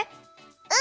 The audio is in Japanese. うん！